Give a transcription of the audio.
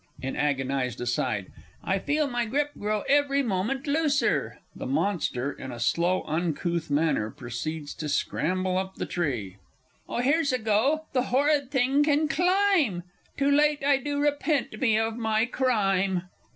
(In agonised aside.) I feel my grip grow every moment looser! [The Monster, in a slow, uncouth manner, proceeds to scramble up the tree. Oh, here's a go! The horrid thing can climb! Too late I do repent me of my crime!